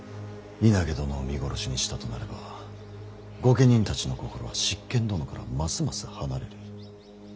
稲毛殿を見殺しにしたとなれば御家人たちの心は執権殿からますます離れる。